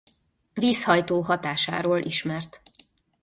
Vízhajtó hatásáról ismert.